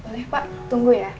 boleh pak tunggu ya